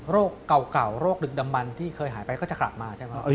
เก่าโรคดึกดำมันที่เคยหายไปก็จะกลับมาใช่ไหม